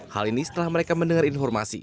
hal ini setelah mereka mendengar informasi